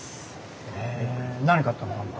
へえ何買ったの？